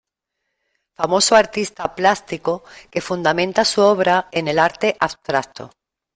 Famoso artista plástico que fundamenta su obra en el arte abstracto.